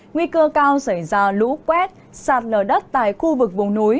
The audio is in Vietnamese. nguy cơ cao xảy ra lũ quét sạt lở đất tại khu vực vùng núi